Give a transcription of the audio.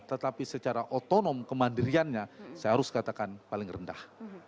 tetapi secara otonom kemandiriannya saya harus katakan paling rendah